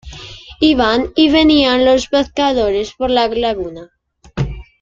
Iban y venían los pescadores por la laguna.